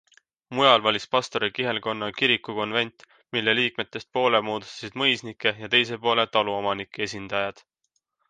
Mujal valis pastori kihelkonna kirikukonvent, mille liikmetest poole moodustasid mõisnike ja teise poole taluomanike esindajad.